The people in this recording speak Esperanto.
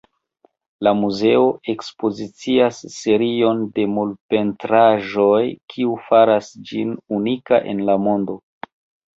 La muzeo ekspozicias serion de murpentraĵoj kiu faras ĝin unika en la mondo.